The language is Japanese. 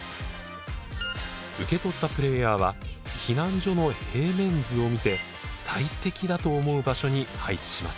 受け取ったプレイヤーは避難所の平面図を見て最適だと思う場所に配置します。